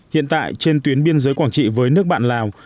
hiện tại trên tuyến biên giới quảng trị với nước bạn lào